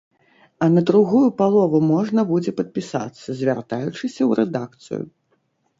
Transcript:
А на другую палову можна будзе падпісацца, звяртаючыся ў рэдакцыю.